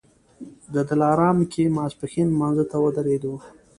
د دلارام کې ماسپښین لمانځه ته ودرېدو.